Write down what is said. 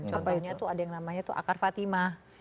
contohnya tuh ada yang namanya tuh akar fatimah